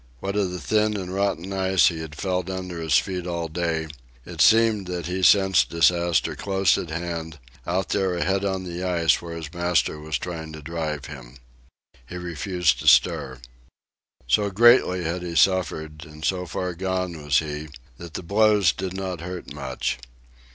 What of the thin and rotten ice he had felt under his feet all day, it seemed that he sensed disaster close at hand, out there ahead on the ice where his master was trying to drive him. He refused to stir. So greatly had he suffered, and so far gone was he, that the blows did not hurt much.